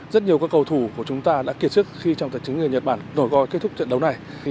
rất nhiều các cầu thủ của chúng ta đã kiệt sức khi trong tạc chính người nhật bản đổi coi kết thúc trận đấu này